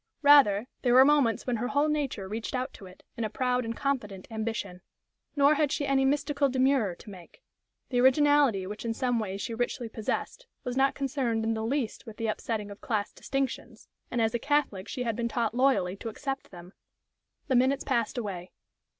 Rather, there were moments when her whole nature reached out to it, in a proud and confident ambition. Nor had she any mystical demurrer to make. The originality which in some ways she richly possessed was not concerned in the least with the upsetting of class distinctions, and as a Catholic she had been taught loyally to accept them. The minutes passed away.